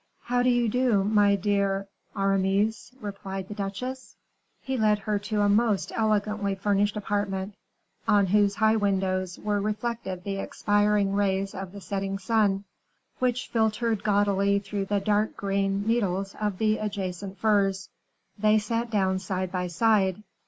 "How do you do, my dear Aramis?" replied the duchesse. He led her to a most elegantly furnished apartment, on whose high windows were reflected the expiring rays of the setting sun, which filtered gaudily through the dark green needles of the adjacent firs. They sat down side by side.